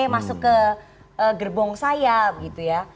masuk ke gerbong saya gitu ya